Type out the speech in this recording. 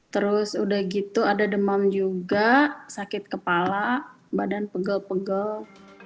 terus udah gitu ada demam juga sakit kepala badan pegel pegel